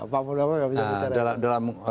pak muldoko gak bisa bicara